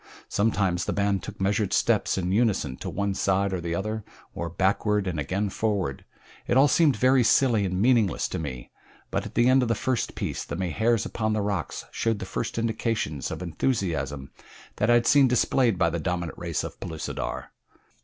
Sometimes the band took measured steps in unison to one side or the other, or backward and again forward it all seemed very silly and meaningless to me, but at the end of the first piece the Mahars upon the rocks showed the first indications of enthusiasm that I had seen displayed by the dominant race of Pellucidar.